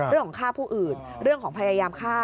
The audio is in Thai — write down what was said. เรื่องของฆ่าผู้อื่นเรื่องของพยายามฆ่า